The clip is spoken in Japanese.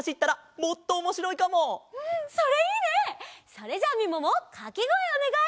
それじゃあみももかけごえおねがい！